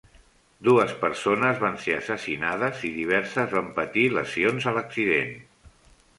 Dues persones van ser assassinades i diverses van patir lesions a l'accident.